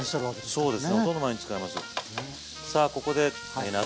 そうですね